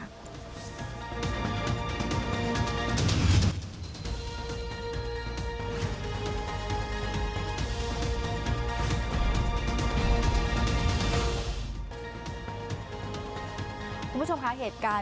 คุณผู้ชมค่ะ